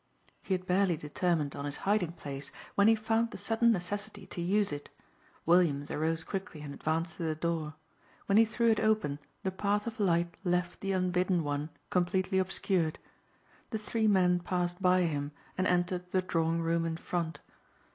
He had barely determined on his hiding place when he found the sudden necessity to use it. Williams arose quickly and advanced to the door. When he threw it open the path of light left the unbidden one completely obscured. The three men passed by him and entered the drawing room in front.